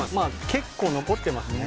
結構残っていますね。